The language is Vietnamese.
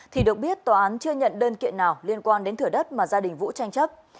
thì được biết tòa án chưa nhận đơn kiện nào liên quan đến thửa đất mà gia đình vũ tranh chấp